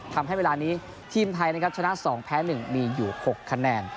ทำให้เวลานี้ทีมไทยนะครับชนะ๒แพ้๑มีอยู่๖คะแนน